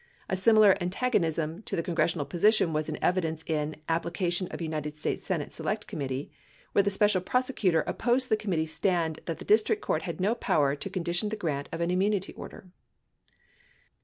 A similar antagonism to the congressional position was in evidence in Application of United States Senate Select Committee where the Special Prosecutor opposed the committee's stand that the district court had no power to condi tion the grant of an immunity order.